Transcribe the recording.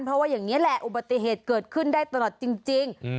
เพราะว่าอย่างนี้แหละอุบัติเหตุเกิดขึ้นได้ตลอดจริง